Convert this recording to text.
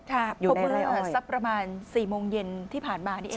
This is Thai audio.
พบเมื่อสักประมาณ๔โมงเย็นที่ผ่านมานี่เอง